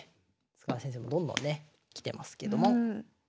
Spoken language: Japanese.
塚田先生もどんどんね来てますけども。